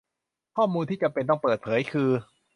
ข้อมูลที่จำเป็นต้องเปิดเผยคือ